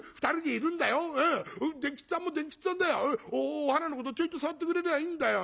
お花のことちょいと触ってくれりゃいいんだよ。